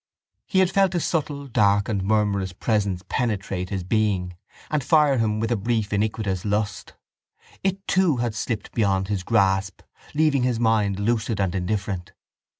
He had felt a subtle, dark, and murmurous presence penetrate his being and fire him with a brief iniquitous lust: it, too, had slipped beyond his grasp leaving his mind lucid and indifferent.